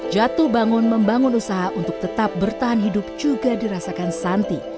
jatuh bangun membangun usaha untuk tetap bertahan hidup juga dirasakan santi